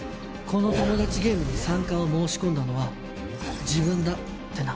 「このトモダチゲームに参加を申し込んだのは自分だ」ってな。